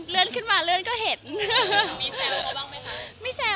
มีแซวเหรอบ้างเพราะค่ะ